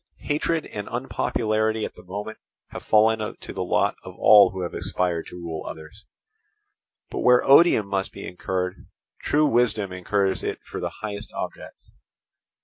Hatred and unpopularity at the moment have fallen to the lot of all who have aspired to rule others; but where odium must be incurred, true wisdom incurs it for the highest objects.